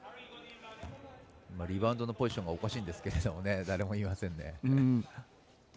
リバウンドのポジションがおかしいんですけど誰も言いませんね。